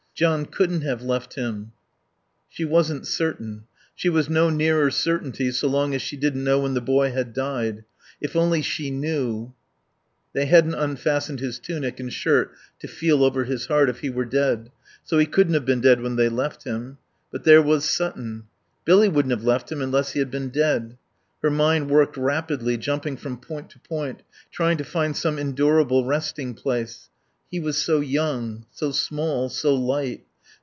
John couldn't have left him. She wasn't certain. She was no nearer certainty so long as she didn't know when the boy had died. If only she knew They hadn't unfastened his tunic and shirt to feel over his heart if he were dead. So he couldn't have been dead when they left him.... But there was Sutton. Billy wouldn't have left him unless he had been dead. Her mind worked rapidly, jumping from point to point, trying to find some endurable resting place.... He was so young, so small, so light.